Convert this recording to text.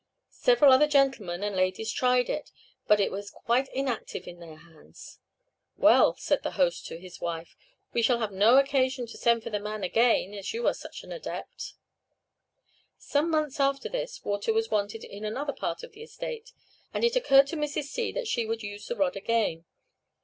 Several other gentlemen and ladies tried it, but it was quite inactive in their hands. 'Well,' said the host to his wife, 'we shall have no occasion to send for the man again, as you are such an adept.' "Some months after this, water was wanted in another part of the estate, and it occurred to Mrs. C that she would use the rod again.